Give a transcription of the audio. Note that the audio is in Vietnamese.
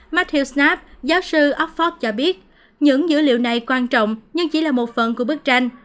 matthew snap giáo sư offord cho biết những dữ liệu này quan trọng nhưng chỉ là một phần của bức tranh